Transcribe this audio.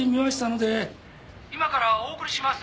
「今からお送りします」